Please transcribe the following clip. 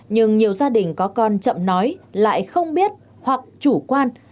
nhưng nhiều gia đình có con chậm nói lại không biết hoặc chủ quan